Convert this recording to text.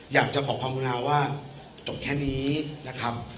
อยากจะขอความอุณาว่าจบแค่นี้นะครับ